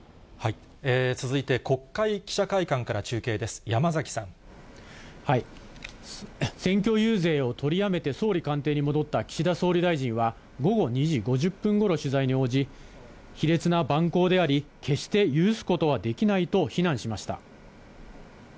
続いて国会記者会館から中継選挙遊説を取りやめて総理官邸に戻った岸田総理大臣は、午後２時５０分ごろ取材に応じ、卑劣な蛮行であり、決して許すことはできないと非難しました。